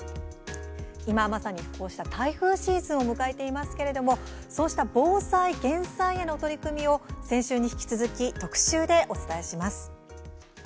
今、まさに台風シーズンを迎えていますがそうした防災・減災への取り組みを先週に引き続き特集でお送りします。